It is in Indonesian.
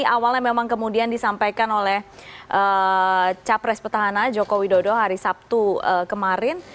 awalnya memang kemudian disampaikan oleh capres petahana joko widodo hari sabtu kemarin